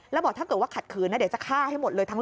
แล้วบอกถ้าเกิดว่าขัดคืนน่ะเดี๋ยวจะฆ่าอีกทั้ง